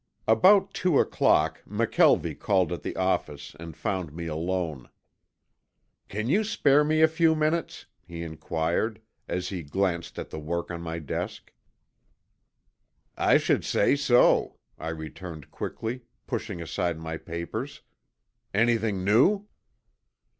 About two o'clock McKelvie called at the office and found me alone. "Can you spare me a few minutes?" he inquired, as he glanced at the work on my desk. "I should say so," I returned quickly, pushing aside my papers. "Anything new?"